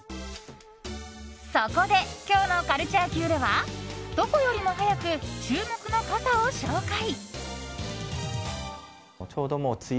そこで、今日のカルチャーＱではどこよりも早く、注目の傘を紹介。